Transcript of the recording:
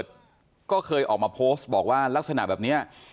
เจ้าสาวคุณโบเขา